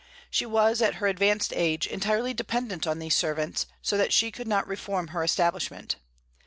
She was, at her advanced age, entirely dependent on these servants, so that she could not reform her establishment.